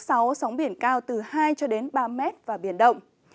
sóng biển cao từ hai cho đến ba mét và biển động